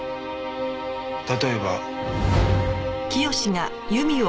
例えば。